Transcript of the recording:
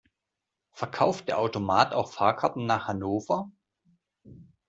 Verkauft der Automat auch Fahrkarten nach Hannover?